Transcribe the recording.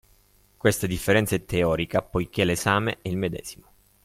Questa differenza è teorica poichè l’esame è il medesimo